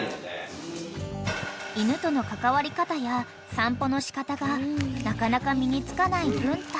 ［犬との関わり方や散歩の仕方がなかなか身に付かない文太］